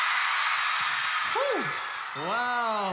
ワオ！